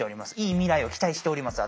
いい未来を期待しております